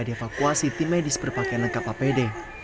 dievakuasi tim medis berpakaian lengkap apd